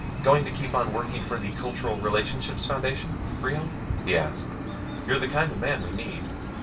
"Going to keep on working for the Cultural Relationships Foundation, Brion?" he asked. "You're the kind of man we need."